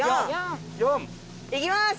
いきます！